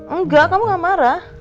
enggak kamu gak marah